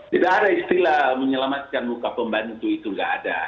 tidak ada istilah menyelamatkan muka pembantu itu nggak ada